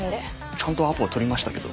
ちゃんとアポは取りましたけど。